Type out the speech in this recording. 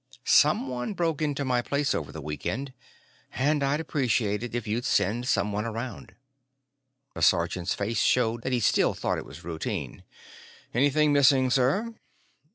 Someone broke into my place over the weekend, and I'd appreciate it if you'd send someone around." The sergeant's face showed that he still thought it was routine. "Anything missing, sir?"